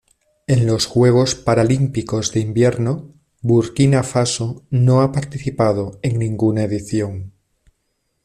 En los Juegos Paralímpicos de Invierno Burkina Faso no ha participado en ninguna edición.